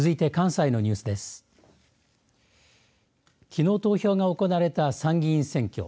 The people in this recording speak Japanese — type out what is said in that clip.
きのう投票が行われた参議院選挙。